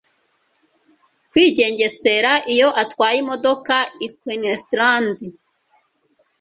kwigengesera iyo atwaye imodoka i Queensland,